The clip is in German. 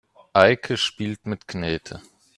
Eike spielt mit Knete.